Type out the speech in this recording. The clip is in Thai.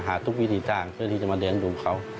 หาทุกวิธีจ้างเพื่อที่จะมาเดินดูเขา